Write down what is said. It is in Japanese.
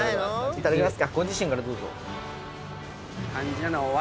いただきます。